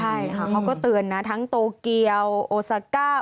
ใช่ค่ะเขาก็เตือนนะทั้งโตเกียวโอซาก้า